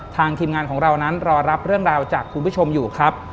ทีมงานของเรานั้นรอรับเรื่องราวจากคุณผู้ชมอยู่ครับ